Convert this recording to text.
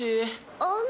あの。